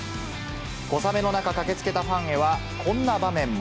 小雨の中、駆けつけたファンへは、こんな場面も。